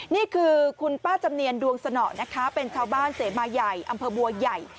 นี่คือคุณป้าจำเนียนดวงสนอนะคะเป็นชาวบ้านเสมาใหญ่อำเภอบัวใหญ่